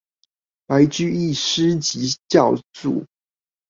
白居易诗集校注